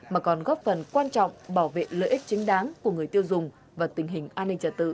mà còn góp phần quan trọng bảo vệ lợi ích chính đáng của người tiêu dùng và tình hình an ninh trả tự